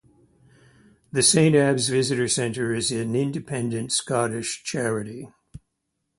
The Saint Abbs Visitor Centre is an independent Scottish charity.